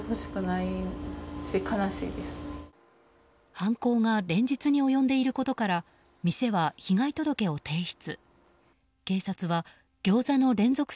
犯行が連日に及んでいることから店は被害届を提出。